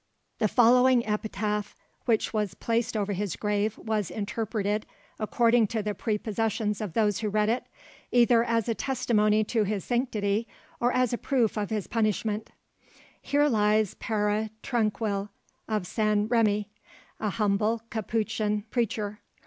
The following epitaph which was placed over his grave was interpreted, according to the prepossessions of those who read it, either as a testimony to his sanctity or as a proof of his punishment:— "Here lies Pere Tranquille, of Saint Remi; a humble Capuchin preacher.